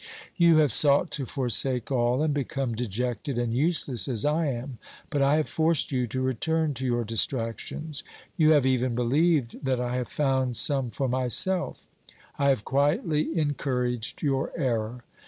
You have sought to forsake all and become dejected and useless as I am, but I have forced you to return to your distrac tions. You have even believed that I have found some for myself; I have quietly encouraged your error.